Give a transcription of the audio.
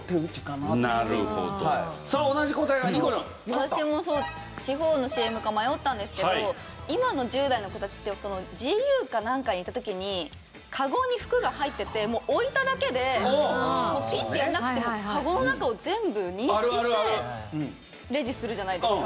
私も地方のＣＭか迷ったんですけど今の１０代の子たちってＧＵかなんかに行った時にカゴに服が入ってて置いただけでもうピッてやらなくてもカゴの中を全部認識してレジするじゃないですか。